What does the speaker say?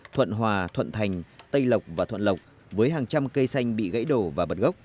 thuận hòa thuận thành tây lộc và thuận lộc với hàng trăm cây xanh bị gãy đổ và bật gốc